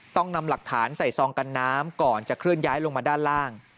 ต้องนำหลักฐานใส่ซองกันน้ำก่อนจะเคลื่อนย้ายลงมาด้านล่าง